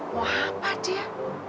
mau apa dia